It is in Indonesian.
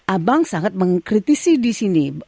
abang sangat mengkritisi di sini